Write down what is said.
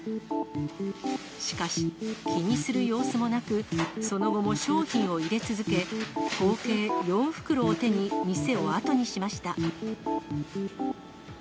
しかし、気にする様子もなく、その後も商品を入れ続け、合計４袋を手に、店を後にしました。